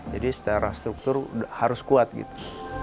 jadi secara struktur harus kuat gitu